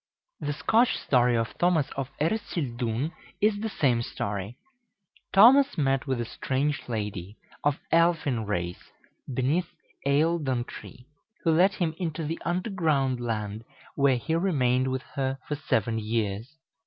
The Scotch story of Thomas of Ercildoune is the same story. Thomas met with a strange lady, of elfin race, beneath Eildon Tree, who led him into the underground land, where he remained with her for seven years.